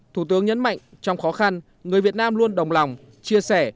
thủ tướng nhấn mạnh trong khó khăn người việt nam luôn đồng lòng chia sẻ